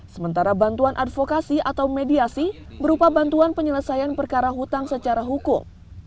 sementara bantuan advokasi atau mediasi berupa bantuan penyelesaian perkara hutang secara hukum